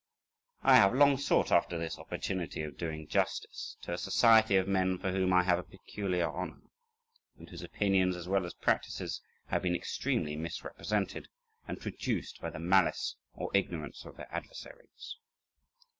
I have long sought after this opportunity of doing justice to a society of men for whom I have a peculiar honour, and whose opinions as well as practices have been extremely misrepresented and traduced by the malice or ignorance of their adversaries.